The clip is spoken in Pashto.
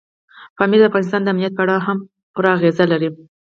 پامیر د افغانستان د امنیت په اړه هم پوره اغېز لري.